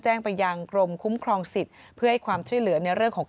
แจ้งไปยังกรมคุ้มครองสิทธิ์เพื่อให้ความช่วยเหลือในเรื่องของ